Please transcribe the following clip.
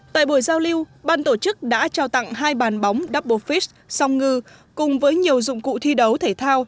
tại buổi giao lưu ban tổ chức đã trao tặng hai bàn bóng dapophis song ngư cùng với nhiều dụng cụ thi đấu thể thao